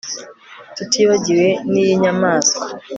tutibagiwe n'iy'inyamaswa